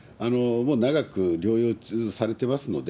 長く療養されていますので、